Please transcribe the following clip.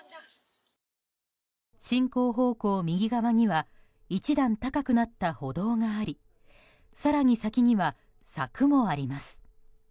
進行方向右側には一段高くなった歩道があり更に先には、柵もあります。